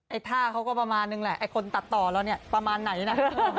ท่าเขาก็ประมาณนึงแหละไอ้คนตัดต่อเราเนี่ยประมาณไหนนะ